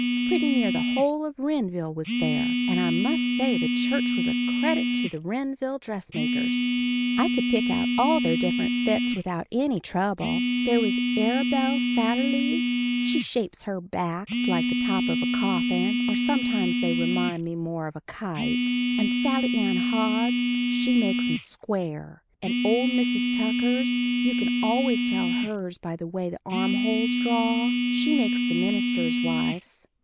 Pretty near the whole of Wrenville was there, and I must say the church was a credit to the Wrenville dressmakers. I could pick out all their different fits without any trouble. There was Arabella Satterlee's she shapes her backs like the top of a coffin, or sometimes they remind me more of a kite; and Sallie Ann Hodd's she makes 'em square; and old Mrs. Tucker's you can always tell hers by the way the armholes draw; she makes the minister's wife's.